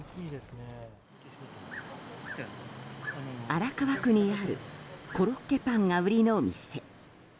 荒川区にあるコロッケパンが売りの店。